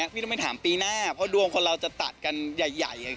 พี่ต้องไปถามปีหน้าเพราะดวงคนเราจะตัดกันใหญ่